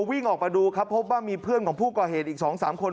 วิ่งออกมาดูครับพบว่ามีเพื่อนของผู้ก่อเหตุอีก๒๓คน